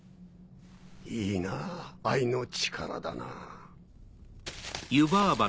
いいなぁ愛の力だなぁ。